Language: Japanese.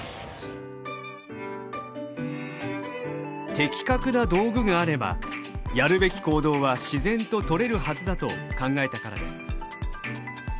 的確な道具があればやるべき行動は自然ととれるはずだと考えたからです。